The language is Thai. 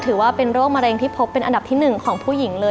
ถือว่าเป็นโรคมะเร็งที่พบเป็นอันดับที่๑ของผู้หญิงเลย